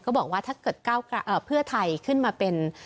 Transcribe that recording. บอกว่าถ้าเกิดก้าวเพื่อไทยขึ้นมาเป็น